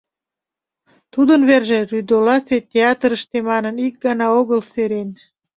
Тудын верже рӱдоласе театрыште манын ик гана огыл серен.